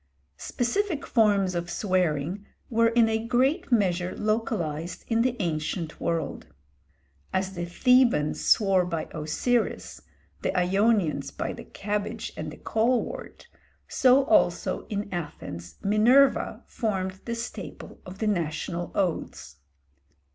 Specific forms of swearing were in a great measure localised in the ancient world. As the Thebans swore by Osiris, the Ionians by the cabbage and the colewort, so also in Athens Minerva formed the staple of the national oaths.